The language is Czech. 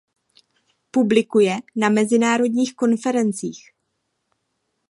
Publikuje na mezinárodních konferencích.